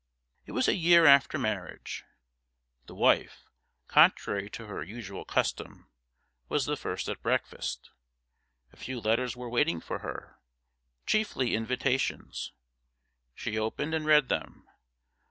It was a year after marriage. The wife, contrary to her usual custom, was the first at breakfast. A few letters were waiting for her chiefly invitations. She opened and read them.